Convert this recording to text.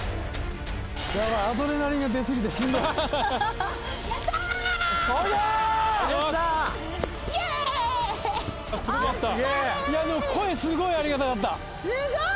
アドレナリンが出過ぎてしんどい。